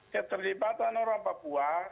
keterlibatan orang papua